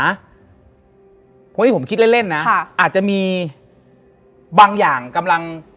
อันนี้ผมคิดเล่นนะอาจจะมีบางอย่างกำลัง